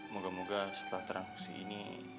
moga moga setelah transisi ini